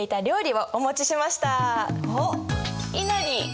おっいなり。